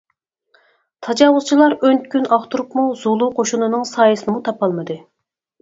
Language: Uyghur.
تاجاۋۇزچىلار ئون كۈن ئاختۇرۇپمۇ زۇلۇ قوشۇنىنىڭ سايىسىنىمۇ تاپالمىدى.